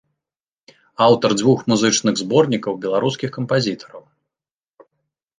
Аўтар дзвюх музычных зборнікаў беларускіх кампазітараў.